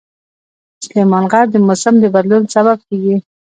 سلیمان غر د موسم د بدلون سبب کېږي.